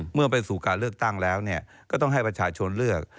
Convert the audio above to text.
เมื่อไปสู่การเลือกตั้งแล้วก็ต้องให้ประชาชนเลือก